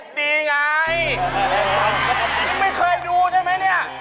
มึงไม่เคยดูใช่ไหมนี่